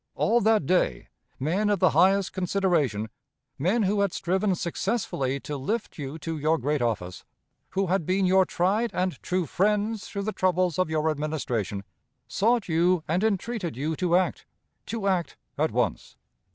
All that day, men of the highest consideration men who had striven successfully to lift you to your great office who had been your tried and true friends through the troubles of your Administration sought you and entreated you to act to act at once.